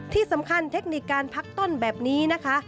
ที่สำคัญเทคนิคการพักต้นแบบนี้นะคะ